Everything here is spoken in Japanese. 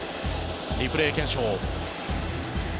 リプレー検証。